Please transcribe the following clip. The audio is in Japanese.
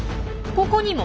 ここにも。